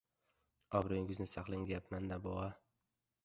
— Obro‘yingizni saqlang, deyapman-da, bova!